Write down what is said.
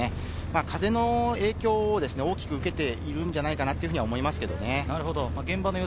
風の影響を大きく受けているのではないかと思います。